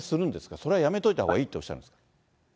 それはやめといたほうがいいとおっしゃいますか。